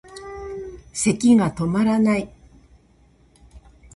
咳がとまらない